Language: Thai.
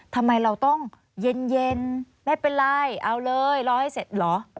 ทำไมเราต้องเย็นไม่เป็นไรเอาเลยรอให้เสร็จเหรอ